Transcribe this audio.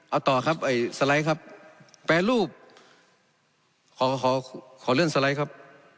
เอาต่อครับสไลด์ครับแปลรูปขอขอขอเรื่องครับ